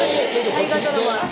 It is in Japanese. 大河ドラマ